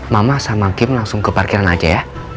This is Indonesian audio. mama sama kim langsung ke parkiran aja ya